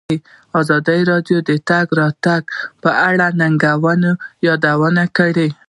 ازادي راډیو د د تګ راتګ ازادي په اړه د ننګونو یادونه کړې.